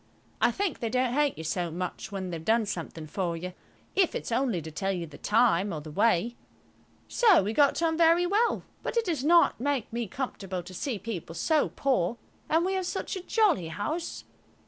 I think they don't hate you so much when they've done something for you, if it's only to tell you the time or the way. So we got on very well, but it does not make me comfortable to see people so poor and we have such a jolly house.